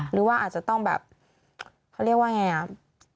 หรือว่าอาจจะต้องแบบเขาเรียกว่าไงครับ